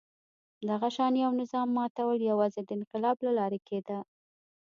دغه شان یوه نظام ماتول یوازې د انقلاب له لارې کېده.